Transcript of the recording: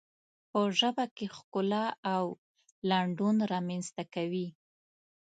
په ژبه کې ښکلا او لنډون رامنځته کوي.